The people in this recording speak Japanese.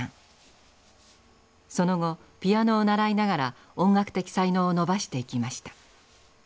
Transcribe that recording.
その後ピアノを習いながら音楽的才能を伸ばしていきました。